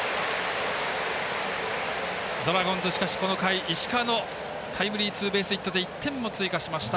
ドラゴンズ、しかしこの回石川のタイムリーツーベースヒットで１点を追加しました。